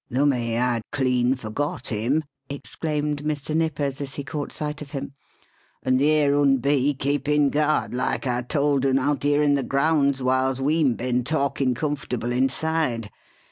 "Lummy! I'd clean forgot him!" exclaimed Mr. Nippers as he caught sight of him. "And theer un be keepin' guard, like I told un, out here in the grounds whiles weem ben talkin' comfortable inside.